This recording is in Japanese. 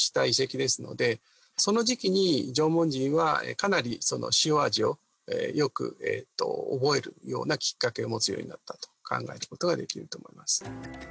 かなり塩味をよく覚えるようなきっかけを持つようになったと考えることができると思います。